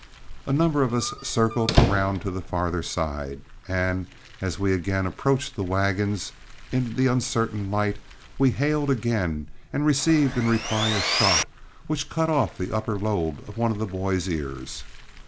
A number of us circled around to the farther side, and as we again approached the wagons in the uncertain light we hailed again and received in reply a shot, which cut off the upper lobe of one of the boys' ears.